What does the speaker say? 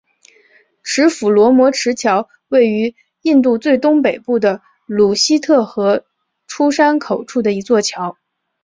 持斧罗摩池桥位于印度最东北部的鲁西特河出山口处的一座桥。